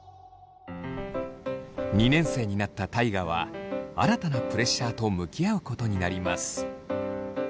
２年生になった大我は新たなプレッシャーと向き合うことになります。